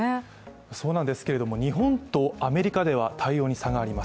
そうなんですけれども日本とアメリカでは対応に差があります。